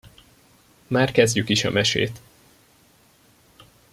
Már kezdjük is a mesét.